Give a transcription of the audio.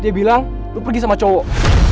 dia bilang lu pergi sama cowok